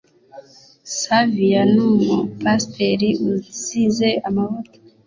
Savier numu pasteri usize amavuta